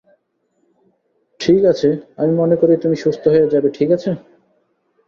ঠিক আছে আমি মনে করি তুমি সুস্থ হয়ে যাবে ঠিক আছে?